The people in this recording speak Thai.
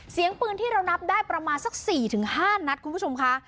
เสียงปืนที่เรานับได้ประมาณสัก๔๕นัดคุณผู้ชมค่ะ